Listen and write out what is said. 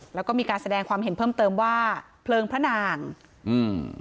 แล้วก็มีการแสดงความเห็นเพิ่มเติมว่าเพลิงพระนางอืม